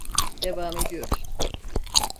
Devam ediyoruz.